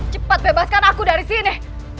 cepat bebaskan aku dari sini